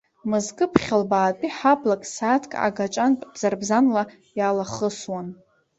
Мызкы аԥхьа лбаатәи ҳаблак сааҭк агаҿантә бзарбзанла иалахысуан.